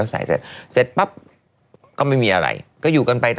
เอาเสื้อผงเสื้อผ้าให้ใส่อะไรอย่างนี้